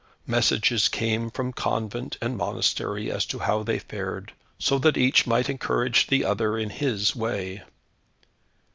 Messages came from convent and monastery as to how they fared, so that each might encourage the other in His way.